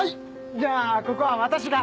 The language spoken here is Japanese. じゃあここは私が。